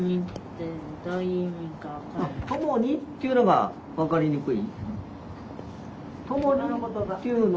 「ともに」っていうのがわかりにくい？